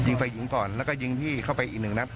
ฝ่ายหญิงก่อนแล้วก็ยิงพี่เข้าไปอีกหนึ่งนัด